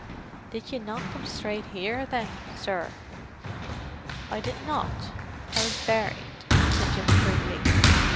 "Did ye not come straight here then, sir?" "I did not; I was buried," said Jim grimly.